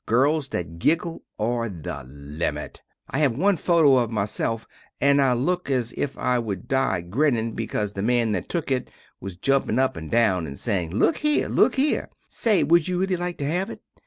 Girls that giggle are the limit. I have only one photo of myself and I look as if I wood dye grinning becaus the man that took it was jumpin up and down and sayin, Look hear! Look hear! Say wood you relly like to have it?